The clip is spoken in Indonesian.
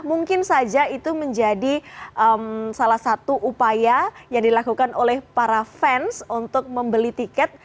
mungkin saja itu menjadi salah satu upaya yang dilakukan oleh para fans untuk membeli tiket